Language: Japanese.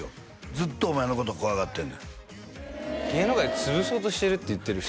ずっとお前のこと怖がってんねん「芸能界潰そうとしてる」って言ってる人？